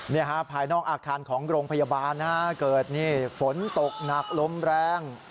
นี่ฮะภายนอกอาคารของโรงพยาบาลนะฮะเกิดนี่ฝนตกหนักลมแรง